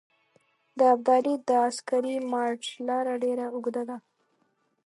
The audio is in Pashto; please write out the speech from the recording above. د ابدالي د عسکري مارچ لاره ډېره اوږده ده.